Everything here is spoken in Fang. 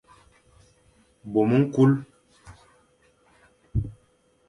Bôm ñkul.